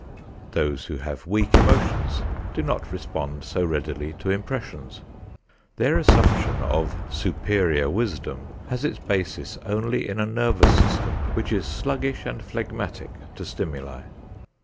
Those who have weak emotions do not respond so readily to impressions. Their assumption of superior wisdom has its basis only in a nervous system which is sluggish and phlegmatic to stimuli.